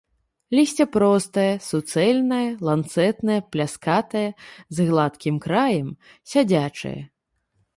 Лісце простае, суцэльнае, ланцэтнае, пляскатае, з гладкім краем, сядзячае.